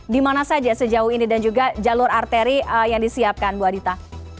di mana saja sejauh ini dan juga jalur arteri yang disiapkan bu adita